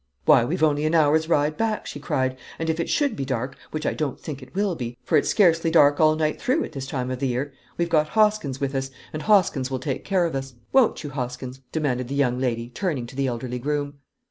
"Why, we've only an hour's ride back," she cried; "and if it should be dark, which I don't think it will be, for it's scarcely dark all night through at this time of year, we've got Hoskins with us, and Hoskins will take care of us. Won't you, Hoskins?" demanded the young lady, turning to the elderly groom.